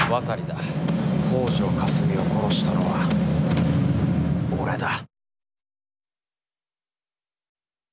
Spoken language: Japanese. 北條かすみを殺したのは俺だ。